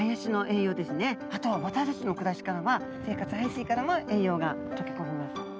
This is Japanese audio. あと私たちの暮らしからは生活排水からも栄養が溶け込みます。